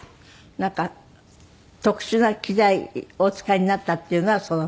なんか特殊な機材をお使いになったっていうのはその？